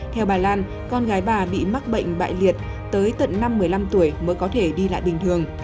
theo bà lan con gái bà bị mắc bệnh bại liệt tới tận năm một mươi năm tuổi mới có thể đi lại bình thường